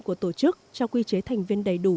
của tổ chức cho quy chế thành viên đầy đủ